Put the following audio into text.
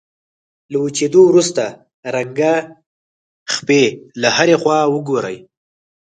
له وچېدو وروسته رنګه خپې له هرې خوا وګورئ.